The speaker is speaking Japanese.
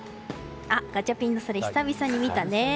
ガチャピン、それ久々に見たね。